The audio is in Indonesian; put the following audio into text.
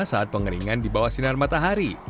saat pengeringan di bawah sinar matahari